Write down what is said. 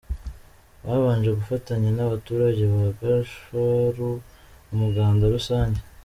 Babanje gufatanya n'abaturage ba Gasharu umuganda rusange.